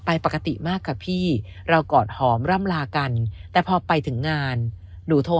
ปกติมากค่ะพี่เรากอดหอมร่ำลากันแต่พอไปถึงงานหนูโทร